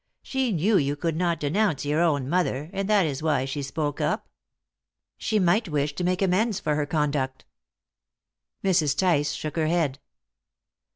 She knew you could not denounce your own mother, and that is why she spoke up." "She might wish to make amends for her conduct." Mrs. Tice shook her head.